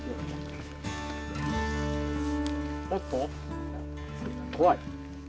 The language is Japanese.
おっと怖い。